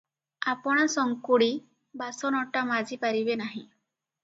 ଆପଣା ସଙ୍କୁଡ଼ି ବାସନଟା ମାଜି ପାରିବେ ନାହିଁ?